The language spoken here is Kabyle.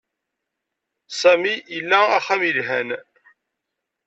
Sami ila axxam yelhan.